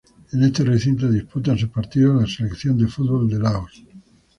En este recinto disputa sus partidos la Selección de fútbol de Laos.